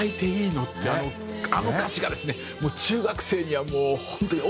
あの歌詞がですね中学生にはもう本当に。